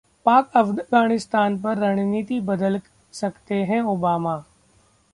पाक-अफगानिस्तान पर रणनीति बदल सकते हैं ओबामा